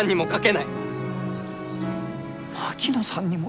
槙野さんにも。